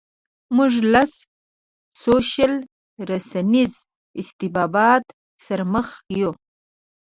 موږ له سوشل رسنیز استبداد سره مخ یو.